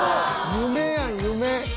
夢やん夢！